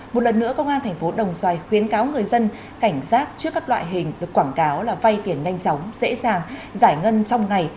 một lần nữa công an thành phố đồng xoài khuyến cáo người dân cảnh giác trước các loại hình được quảng cáo là vay tiền nhanh chóng dễ dàng giải ngân trong ngày